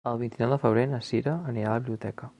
El vint-i-nou de febrer na Sira anirà a la biblioteca.